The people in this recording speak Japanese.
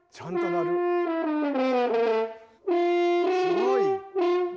すごい。